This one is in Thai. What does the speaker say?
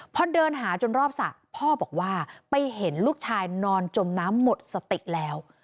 พอเดินหาจนรอบสระพ่อบอกว่าไปเห็นลูกชายนอนจมน้ำหมดสติแล้ว